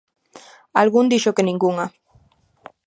Algún dixo que ningunha.